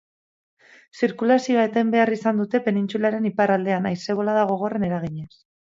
Zirkulazioa eten behar izan dute penintsularen iparraldean haize bolada gogorren eraginez.